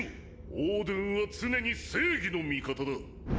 オードゥンは常に正義の味方だ。